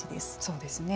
そうですね。